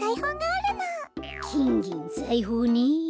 きんぎんざいほうね。